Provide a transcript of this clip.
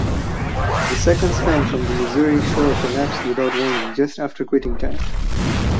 The second span from the Missouri shore collapsed without warning just after quitting time.